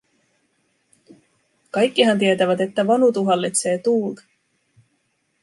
Kaikkihan tietävät, että Vanutu hallitsee tuulta!"